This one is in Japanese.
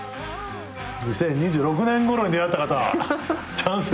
２０２６年ごろに出会った方チャンスですよ。